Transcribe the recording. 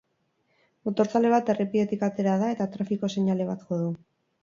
Motorzale bat errepidetik atera da eta trafiko seinale bat jo du.